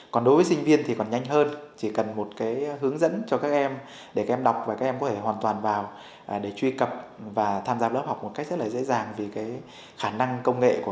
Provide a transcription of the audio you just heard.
còn đối với sinh viên thì còn nhanh hơn chỉ cần một cái hướng dẫn cho các em để các em đọc và các em có thể hoàn toàn vào để truy cập và tham gia lớp học một cách rất là nhanh